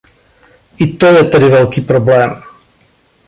I to je tedy velký problém.